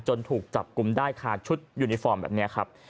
ถูกจับกลุ่มได้คาชุดยูนิฟอร์มแบบนี้ครับ